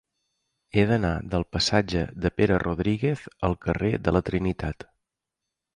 He d'anar del passatge de Pere Rodríguez al carrer de la Trinitat.